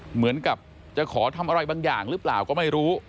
เหมือนกับจะขอทำอะไรบางอย่างหรือเปล่าก็ไม่รู้